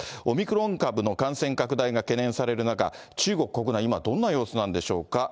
オミクロン株の感染拡大が懸念される中、中国国内、今どんな様子なんでしょうか。